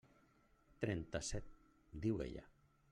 «Trenta-set», diu ella.